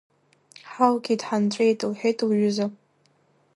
Ҳалгеит, ҳанҵәеит, — лҳәеит лҩыза.